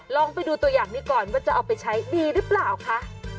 ลองไปดูตัวอย่างนี้ก่อนว่าจะเอาไปใช้ดีหรือเปล่าคะ